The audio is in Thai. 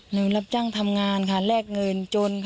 หนูรับจ้างทำงานค่ะแลกเงินจนค่ะ